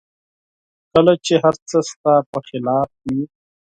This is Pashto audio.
کله چې هر څه ستا په خلاف وي